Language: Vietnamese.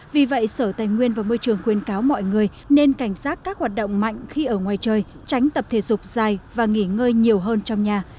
vì vậy sở tài nguyên và môi trường khuyên cáo mọi người nên cảnh giác các hoạt động mạnh khi ở ngoài chơi tránh tập thể dục dài và nghỉ ngơi nhiều hơn trong nhà